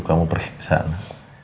kamu pergi ke sana